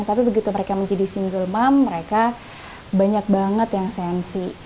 tapi begitu mereka menjadi single mom mereka banyak banget yang sensi